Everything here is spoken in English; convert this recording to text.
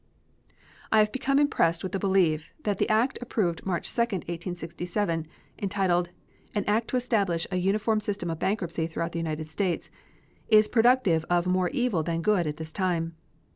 I have become impressed with the belief that the act approved March 2, 1867, entitled "An act to establish a uniform system of bankruptcy throughout the United States," is productive of more evil than good at this time.